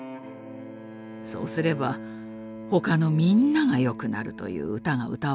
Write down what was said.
そうすれば他のみんながよくなるという歌が歌われているようです。